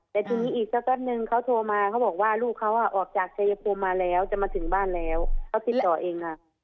แต่ทีนี้อีกสักแป๊บนึงเขาโทรมาเขาบอกว่าลูกเขาออกจากชายภูมิมาแล้วจะมาถึงบ้านแล้วเขาติดต่อเองค่ะ